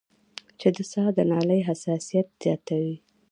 چې د ساه د نالۍ حساسيت زياتوي